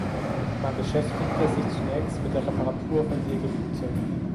Man beschäftigte sich zunächst mit der Reparatur von Segelflugzeugen.